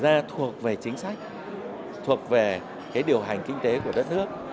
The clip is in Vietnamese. xảy ra thuộc về chính sách thuộc về điều hành kinh tế của đất nước